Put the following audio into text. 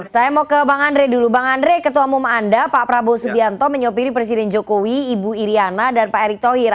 saya mau ke bang andre dulu bang andre ketua umum anda pak prabowo subianto menyopiri presiden jokowi ibu iryana dan pak erick thohir